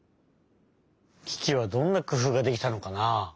キキはどんなくふうができたのかな？